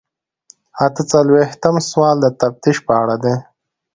اته څلویښتم سوال د تفتیش په اړه دی.